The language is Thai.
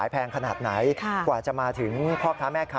โรงพักโรงพัก